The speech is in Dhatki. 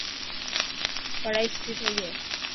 ڪڙائي سوٺي ٺهي هي.